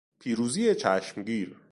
پیروزی چشمگیر